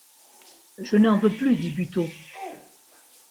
Je n’en veux plus, dit Buteau.